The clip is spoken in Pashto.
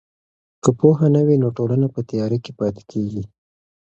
که پوهه نه وي نو ټولنه په تیاره کې پاتې کیږي.